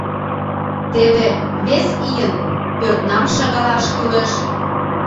Теве вес ийын пӧртнам шыгалаш кӱлеш...